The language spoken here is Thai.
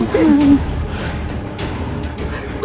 ดูนิท